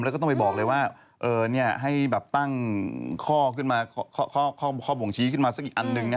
แล้วก็ต้องไปบอกเลยว่าให้ตั้งข้อขึ้นมาข้อบ่งชี้ขึ้นมาสักอีกอันหนึ่ง